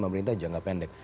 pemerintah jangka pendek